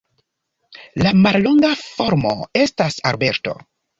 La mallonga formo estas Alberto.